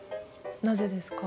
なぜですか？